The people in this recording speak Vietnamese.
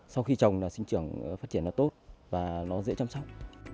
sau khi trồng sinh trưởng phát triển tốt và dễ chăm sóc